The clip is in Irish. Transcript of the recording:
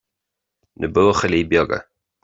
Na buachaillí beaga